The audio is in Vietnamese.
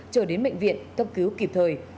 chở đến bệnh viện cấp cứu kịp thời